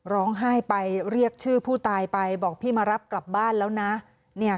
ร้องไห้ไปเรียกชื่อผู้ตายไปบอกพี่มารับกลับบ้านแล้วนะ